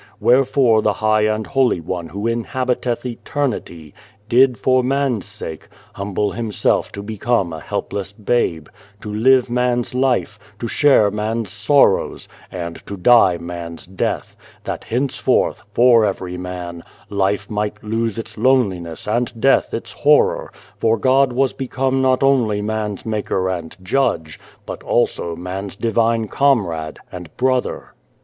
Wherefore the High and Holy One Who inhabiteth eternity, did for man's sake, humble Himself to become a helpless babe, to live man's life, to share man's sorrows, and to die man's death, that henceforth, for every man, life might lose its loneliness and death its horror, for God was become not only man's Maker and Judge, but also man's divine Comrade and Brother.